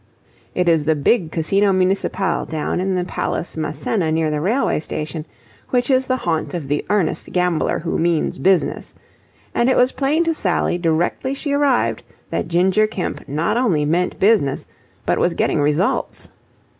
It is the big Casino Municipale down in the Palace Massena near the railway station which is the haunt of the earnest gambler who means business; and it was plain to Sally directly she arrived that Ginger Kemp not only meant business but was getting results.